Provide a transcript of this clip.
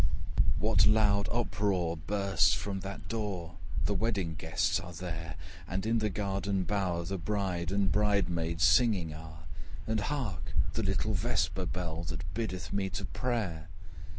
What loud uproar bursts from that door! The wedding guests are there: But in the garden bower the bride And bride maids singing are: And hark the little vesper bell, Which biddeth me to prayer!